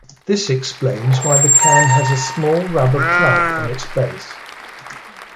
This explains why the can has a small rubber plug on its base.